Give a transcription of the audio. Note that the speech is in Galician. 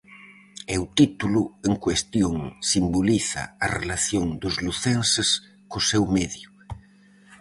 E o "título" en cuestión simboliza a relación dos lucenses co seu medio.